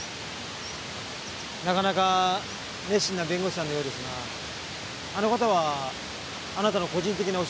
なかなか熱心な弁護士さんのようですがあの方はあなたの個人的なお知り合いですか？